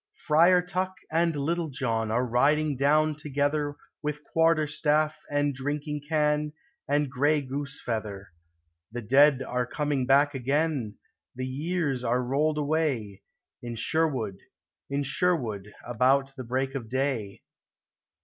Friar Tuck and Little John are riding down together With quarter staff and drinking can and gray goose feather ; The dead are coming back again ; the years are rolled away In Sherwood, in Sherwood, about the break of day.